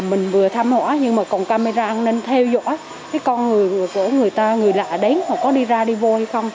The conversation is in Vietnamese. mình vừa thăm hỏi nhưng mà còn camera an ninh theo dõi con người của người ta người lạ đến có đi ra đi vô hay không